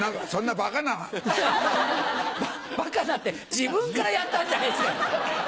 「ばかな」って自分からやったんじゃないですか！